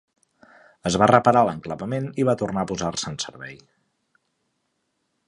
Es va reparar l"enclavament i va tornar a posar-se en servei.